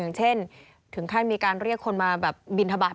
อย่างเช่นถึงใครมีการเรียกคนมาบินทะบาท